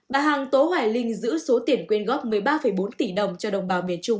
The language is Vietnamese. bà hằng tố hoài linh giữ số tiền quyên góp một mươi ba bốn tỷ đồng cho đồng bào miền trung